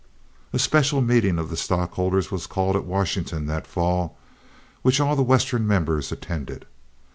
A special meeting of the stockholders was called at Washington that fall, which all the Western members attended.